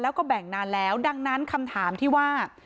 แล้วก็แบ่งนานแล้วดังนั้นคำถามที่ว่า